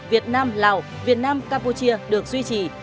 việt nam lào việt nam campuchia được duy trì